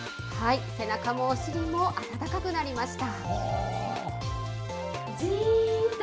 背中もお尻も温かくなりました。